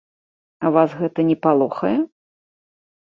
Вас гэта не палохае?